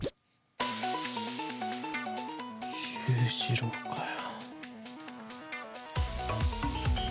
裕次郎かよ。